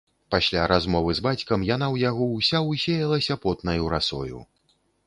Пасля размовы з бацькам яна ў яго ўся ўсеялася потнаю расою.